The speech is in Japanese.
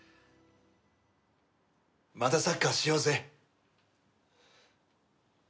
またサッカーしようぜ。